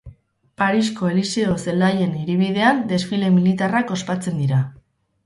Parisko Eliseo Zelaien hiribidean desfile militarrak ospatzen dira.